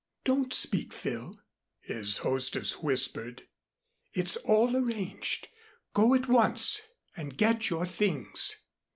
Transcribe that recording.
"Don't speak, Phil," his hostess whispered. "It's all arranged. Go at once and get your things."